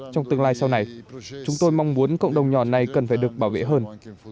trong tương lai sau này chúng tôi mong muốn cộng đồng nhỏ này cần phải được bảo vệ hơn